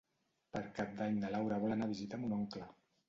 Per Cap d'Any na Laura vol anar a visitar mon oncle.